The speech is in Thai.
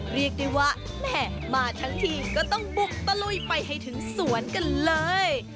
เรียกได้ว่าแหมมาทั้งทีก็ต้องบุกตะลุยไปให้ถึงสวนกันเลย